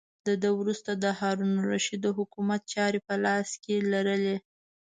ده وروسته د هارون الرشید د حکومت چارې په لاس کې لرلې.